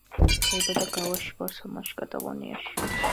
დაიბადა გავაში, ბარსელონაში, კატალონიაში.